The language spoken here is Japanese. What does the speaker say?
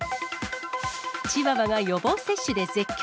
チワワが予防接種で絶叫。